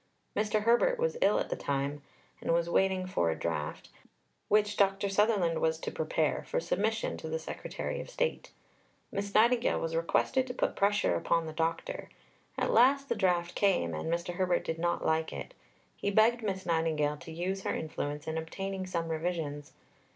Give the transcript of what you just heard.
Mr. Herbert was ill at the time and was waiting for a draft, which Dr. Sutherland was to prepare, for submission to the Secretary of State. Miss Nightingale was requested to put pressure upon the doctor. At last the draft came, and Mr. Herbert did not like it. He begged Miss Nightingale to use her influence in obtaining some revisions.